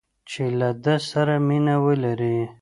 چې له ده سره مینه ولري